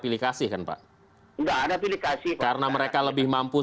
beda mungkin daerah lain